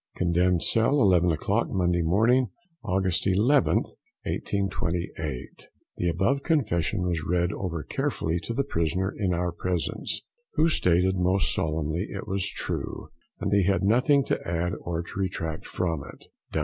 Condemned cell, Eleven o'clock, Monday morning, August 11th, 1828. The above confession was read over carefully to the prisoner in our presence, who stated most solemnly it was true, and that he had nothing to add to or retract from it.